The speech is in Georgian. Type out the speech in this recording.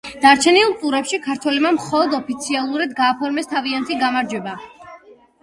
დარჩენილ ტურებში ქართველებმა მხოლოდ ოფიციალურად გააფორმეს თავიანთი გამარჯვება.